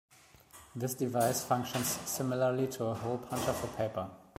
This device functions similarly to a hole puncher for paper.